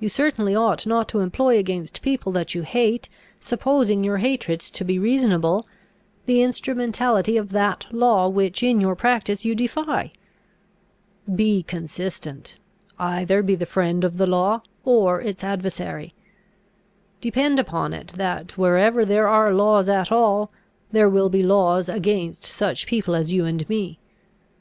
You certainly ought not to employ against people that you hate, supposing your hatred to be reasonable, the instrumentality of that law which in your practice you defy. Be consistent. Either be the friend of the law, or its adversary. Depend upon it that, wherever there are laws at all, there will be laws against such people as you and me.